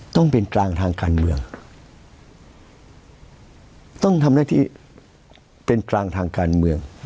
ต้องเป็นกลางทางการเมืองต้องทำหน้าที่เป็นกลางทางการเมือง